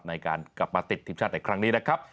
ในการกลับมาติดทีมชาติในครั้งนี้นะครับ